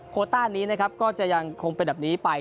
ต้านี้นะครับก็จะยังคงเป็นแบบนี้ไป